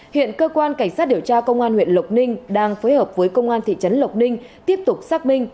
hiện cơ quan cảnh sát điều tra công an huyện lộc ninh đang phối hợp với công an thị trấn lộc ninh tiếp tục xác minh